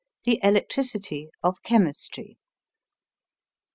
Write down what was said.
THE ELECTRICITY OF CHEMISTRY.